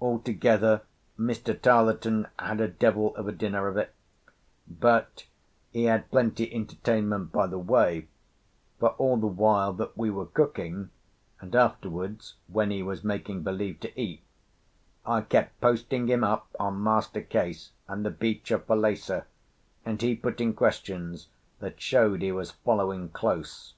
Altogether, Mr. Tarleton had a devil of a dinner of it; but he had plenty entertainment by the way, for all the while that we were cooking, and afterwards, when he was making believe to eat, I kept posting him up on Master Case and the beach of Falesá, and he putting questions that showed he was following close.